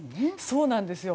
そうなんですよ。